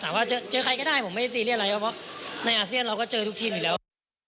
ว่าเจอใครก็ได้ผมไม่ได้ซีเรียสอะไรครับเพราะในอาเซียนเราก็เจอทุกทีมอยู่แล้ว